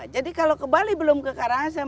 jadi kalau ke bali belum ke karangasem